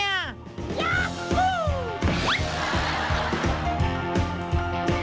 ยาคู